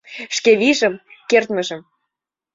Шке вийжым, кертмыжым